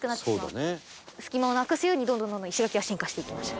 隙間をなくすようにどんどんどんどん石垣が進化していきました。